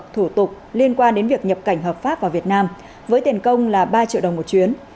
thủ tục liên quan đến việc nhập cảnh hợp pháp vào việt nam với tiền công là ba triệu đồng một chuyến